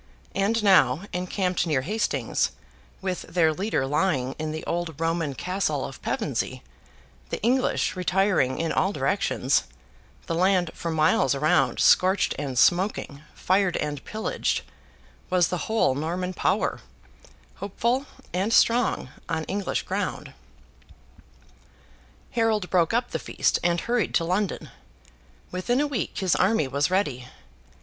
And now, encamped near Hastings, with their leader lying in the old Roman castle of Pevensey, the English retiring in all directions, the land for miles around scorched and smoking, fired and pillaged, was the whole Norman power, hopeful and strong on English ground. Harold broke up the feast and hurried to London. Within a week, his army was ready.